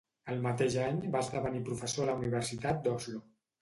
El mateix any va esdevenir professor a la Universitat d'Oslo.